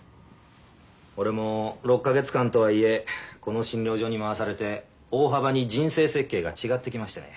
俺も６か月間とはいえこの診療所に回されて大幅に人生設計が違ってきましてね。